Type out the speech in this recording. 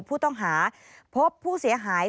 ผู้ต้องหาพบผู้เสียหาย